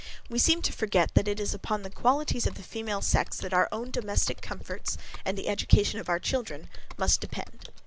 We seem to forget, that it is upon the qualities of the female sex, that our own domestic comforts and the education of our children must depend.